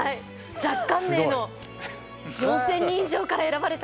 若干名の４，０００人以上から選ばれた。